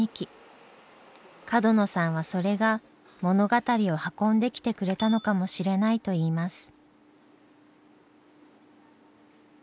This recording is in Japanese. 角野さんはそれが物語を運んできてくれたのかもしれないといいます。